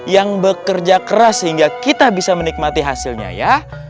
yang bekerja keras sehingga kita bisa menikmati hasilnya ya